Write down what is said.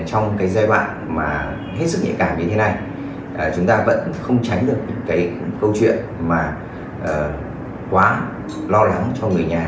trong cái giai đoạn mà hết sức nhạy cảm như thế này chúng ta vẫn không tránh được những cái câu chuyện mà quá lo lắng cho người nhà